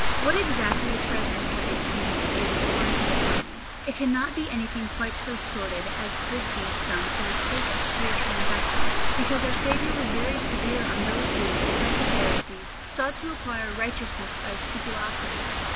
What exactly the treasure in heaven can be it is hard to define. It cannot be anything quite so sordid as good deeds done for the sake of spiritual investment, because our Saviour was very severe on those who, like the Pharisees, sought to acquire righteousness by scrupulosity.